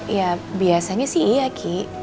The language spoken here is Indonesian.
ya biasanya sih iya ki